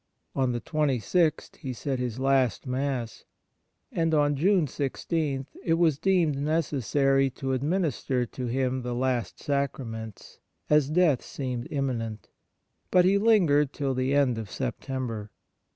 On the 26th he said his last Mass, and on June 16 it was deemed necessary to administer to him the last Sacraments, as death seemed imminent ; but he Hngered till the end of September.